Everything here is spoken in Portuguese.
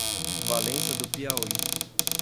Valença do Piauí